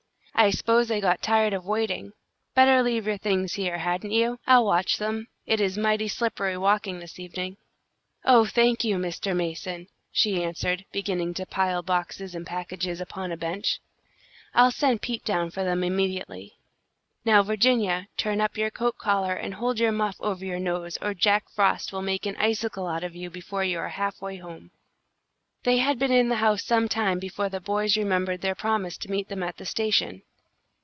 "I s'pose they got tired of waiting. Better leave your things here, hadn't you? I'll watch them. It is mighty slippery walking this evening." "Oh, thank you, Mr. Mason," she answered, beginning to pile boxes and packages upon a bench, I'll send Pete down for them immediately. Now, Virginia, turn up your coat collar and hold your muff over your nose, or Jack Frost will make an icicle out of you before you are half way home. They had been in the house some time before the boys remembered their promise to meet them at the station.